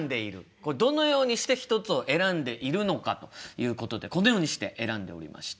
どのようにして一つを選んでいるのかということでこのようにして選んでおりました。